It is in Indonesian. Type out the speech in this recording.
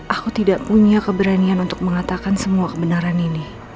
aku tidak punya keberanian untuk mengatakan semua kebenaran ini